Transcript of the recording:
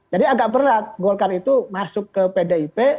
jadi agak berat golkar itu masuk ke pdip